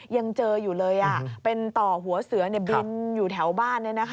ยังเจออยู่เลยเป็นต่อหัวเสือบินอยู่แถวบ้าน